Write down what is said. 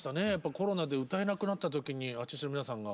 コロナで歌えなくなった時にアーティストの皆さんが。